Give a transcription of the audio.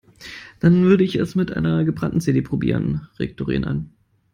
Dann würde ich es mit einer gebrannten CD probieren, regt Doreen an.